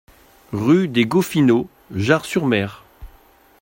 Route des Goffineaux, Jard-sur-Mer